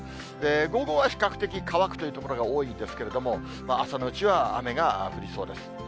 午後は比較的乾くという所が多いんですけれども、朝のうちは雨が降りそうです。